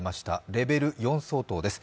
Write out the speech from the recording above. レベル４相当です。